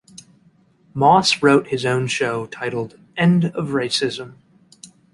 Moss wrote his own show, titled "End of Racism".